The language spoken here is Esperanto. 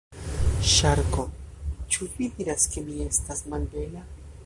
Ŝarko: "Ĉu vi diras ke mi estas malbela?"